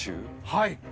はい。